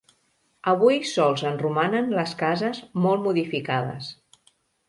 Avui sols en romanen les cases, molt modificades.